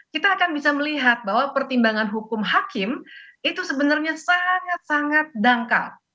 kita akan bisa melihat bahwa pertimbangan hukum hakim itu sebenarnya sangat sangat dangkal